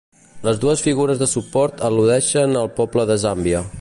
Les dues figures de suport al·ludeixen al poble de Zàmbia.